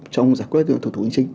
trong giải quyết thủ tục hành chính